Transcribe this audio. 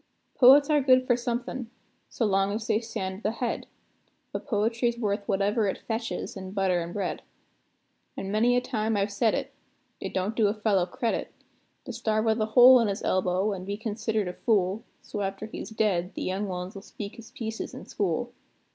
Poets are good for somethin', so long as they stand at the head: But poetry's worth whatever it fetches in butter an' bread. An' many a time I've said it: it don't do a fellow credit, To starve with a hole in his elbow, an' be considered a fool, So after he's dead, the young ones 'll speak his pieces in school.